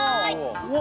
うわ。